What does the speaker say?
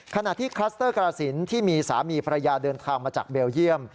ขณะที่คลัสเตอร์กรสินที่มีสามีภรรยาเดินทางมาจากเบลเยี่ยม